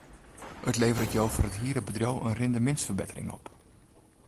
It leveret jo foar it hiele bedriuw in rindemintsferbettering op.